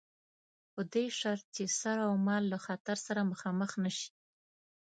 په دې شرط چې سر اومال له خطر سره مخامخ نه شي.